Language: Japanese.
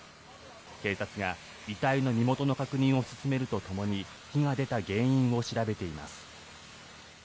警察が遺体の身元の確認を進めるとともに火が出た原因を調べています。